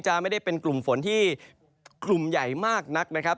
ไม่ได้เป็นกลุ่มฝนที่กลุ่มใหญ่มากนักนะครับ